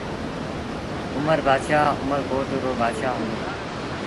اُمر بآتشآه اُمر ڪوٽ رو بآتشآه هُݩدو۔